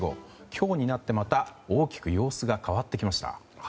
今日になって、また大きく様子が変わってきました。